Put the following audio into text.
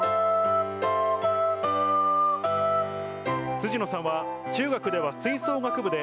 辻野さんは中学では吹奏楽部で